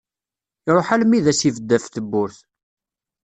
Iruḥ almi i d as-ibed ɣef tewwurt.